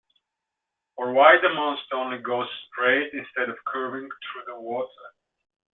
Or why the monster only goes straight, instead of curving through the water.